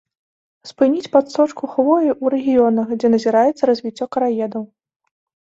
Спыніць падсочку хвоі ў рэгіёнах, дзе назіраецца развіццё караедаў.